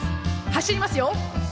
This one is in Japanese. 走りますよ。